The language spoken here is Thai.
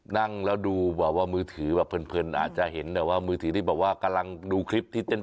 นั่งแล้วดูแบบว่ามือถือแบบเพลินอาจจะเห็นแต่ว่ามือถือที่บอกว่ากำลังดูคลิปที่เต้น